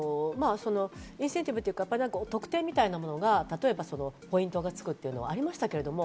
インセンティブというか特典みたいなものは、ポイントがつくというのはありましたけど。